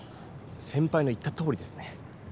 先ぱいの言ったとおりですね。